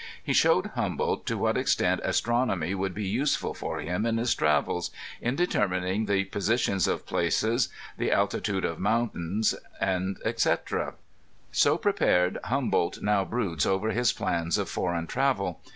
He showed Humboldt to what extent astronomy would be useful for him, in his travels, in determining the positions of places, the altitude of mountains, &c So prepared Humboldt now broods over his plans of foreign travel.